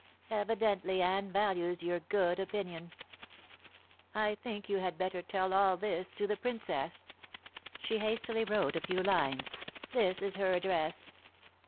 "Evidently Anne values your good opinion. I think you had better tell all this to the Princess." She hastily wrote a few lines. "This is her address."